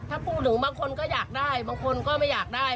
ถ้าพูดถึงบางคนก็อยากได้บางคนก็ไม่อยากได้